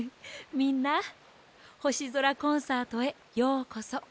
みんなほしぞらコンサートへようこそ。